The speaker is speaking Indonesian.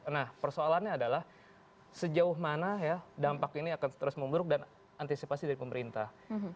nah persoalannya adalah sejauh mana ya dampak ini akan terus memburuk dan antisipasi dari pemerintah